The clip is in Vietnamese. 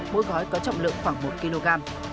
mỗi gói có trọng lượng khoảng một kg